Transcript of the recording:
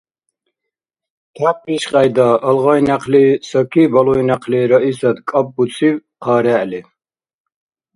Тяп ишкьяйда, – алгъай някъли – Саки, балуй някъли – Раисат кӀапӀбуциб хъа регӀли.